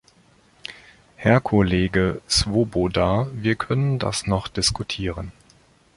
Herr Kollege Swoboda, wir können das noch diskutieren.